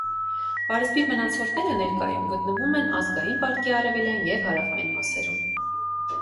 Պարսպի մնացորդները ներկայում գտնվում են ազգային պարկի արևելյան և հարավային մասերում։